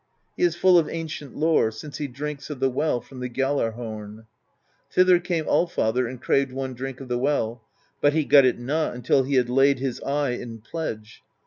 He is full of ancient lore, since he drinks of the well from the Gjallar Horn. Thither came Allfather and craved one drink of the well; but he got it not until he had laid his eye in pledge.